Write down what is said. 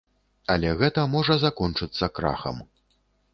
Але гэта можа закончыцца крахам.